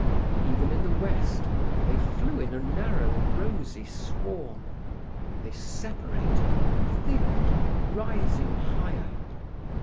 Even in the west they flew in a narrow, rosy swarm. They separated, thinned, rising higher.